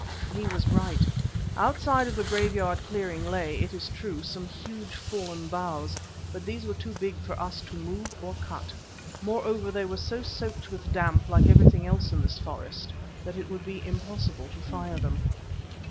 He was right. Outside of the graveyard clearing lay, it is true, some huge fallen boughs. But these were too big for us to move or cut. Moreover, they were so soaked with damp, like everything in this forest, that it would be impossible to fire them.